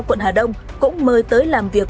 quận hà đông cũng mời tới làm việc